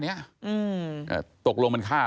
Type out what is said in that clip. เผื่อเขายังไม่ได้งาน